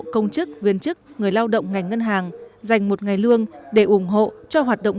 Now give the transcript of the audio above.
công chức viên chức người lao động ngành ngân hàng dành một ngày lương để ủng hộ cho hoạt động